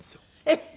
えっ！